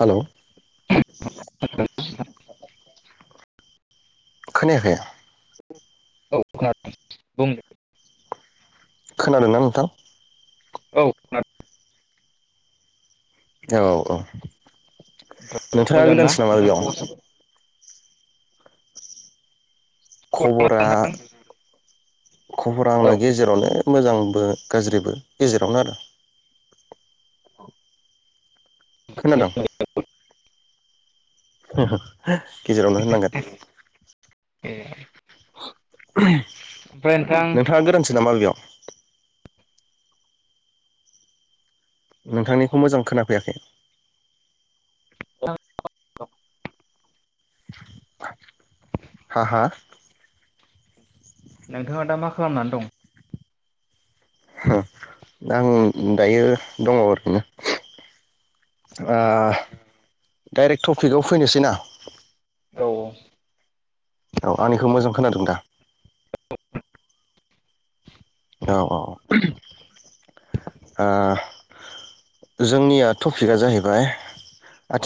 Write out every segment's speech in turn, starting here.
हाल'! खोनायाखै? औ [unintelligible] बुं खोनादों ना नोंथां? औ [unintelligible] औ औ नोंथाङा मोजां ना गोदानसो नामा नोंथां बेयाव? खबरा खबरा खबरा औ आंना गेजेरावनो। मोजांबो गाज्रिबो गेजेरावनो आरो। खोनादोंं? गेजेरावनो होननांगोन। ए ओमफ्राय नोंथां नोंथाङा गोदानसो नामा बेयाव? नोंथांनिखौ मोजां खोनाफैयाखै। [unintelligible] हा-हा? नोंथाङा दा मा खालामनानै दं? आं दायो दङ ओरैनो। ओ-डाइरेक्ट टपिकआव फैनोसै ना? औ औ औ आंनिखौ मोजां खोनादों दा? औ औ ओ- जोंनिया टपिकआ जाहैबाय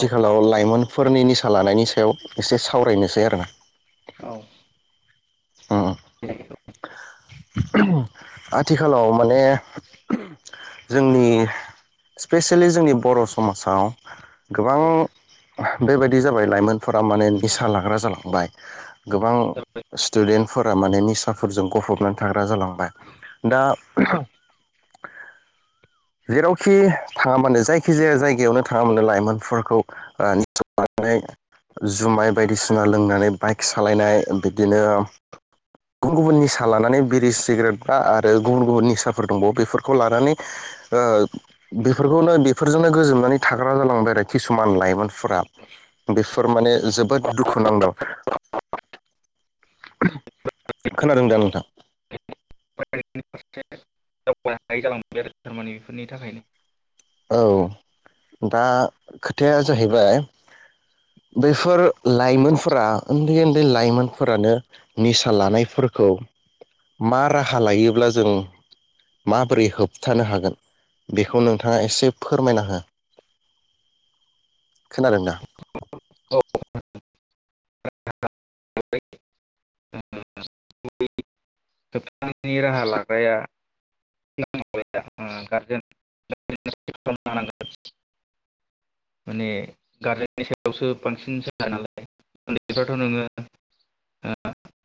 औ लाइमोनफोरनि निसा लानायनि सायाव एसे सावरायनोसै आरोना। औ उम आथिखालाव माने जोंनि। स्पेसियेलि जोंनि बर' समाजाव गोबां औ बेबायदि जाबाय लाइमोनफोरा माने निसा लाग्रा जालांबाय। गोबां स्टुडेन्टफोरा माने निसाफोरजों गफबनानै थाग्रा जालांबाय दा [inaudible] जेरावखि थाङा मानो जायखि जाया जायगायावनो थाङा मानो लाइमोनफोरखौ ओ- [unintelligible] जुमाय बायदिसिना लोंनानै बाइक सालायनाय बिदिनो गुबुन गुबुन निसा लानानै बिरि सिगारेट बा आरो गुबुन गुबुन निसाफोर दंबावो बेफोरखौ लानानै ओ- बेफोरखौनो बेफोरजोंनो गोजोबनानै थाग्रा जालांबाय आरो किसुमान लाइमोनफोरा। बेफोर माने जोबोद दुखु नांदाव। खोनादों दा नोंथां? [unintelligible] थारमानि बेफोरनि थाखायनो। औ दा खोथाया जाहैबाय बेफोर लाइमोनफोरा उन्दै-उन्दै लाइमोनफोरानो निसा लानायफोरखौ मा राहा लायोब्ला जों माबोरै होबथानो हागोन बेखौ नोंथां नोंथाङा एसे फोरमायना हो खोनादों दा ओ ओ ओ ओ ओ ओ दा बिनि राहा लाग्राया [unintelligible] माने गारजेननि सायावसो बांसिन सोनारो नालाय उन्दैफ्राथ' नोङो हो